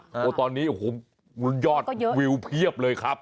โอ้โหตอนนี้โอ้โหยอดวิวเพียบเลยครับ